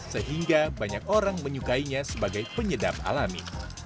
sehingga banyak orang menyukainya sebagai penyedap alami